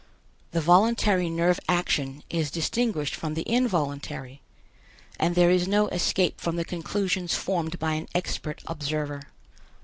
The voluntary nerve action is distinguished from the involuntary, and there is no escape from the conclusions formed by an expert observer.